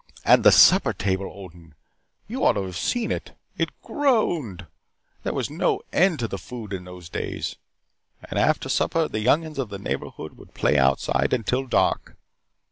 And the supper table, Odin! You ought to have seen it. It groaned. There was no end to our food in those days. And after supper, the younguns of the neighborhood would play outside until dark.